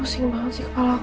pusing banget sih kepala aku